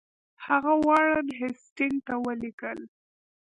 هغه وارن هیسټینګ ته ولیکل.